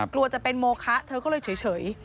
กลัวจะเป็นโมคะเธอก็เลยเฉย